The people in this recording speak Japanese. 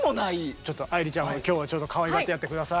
ちょっと愛理ちゃんを今日はちょっとかわいがってやって下さい。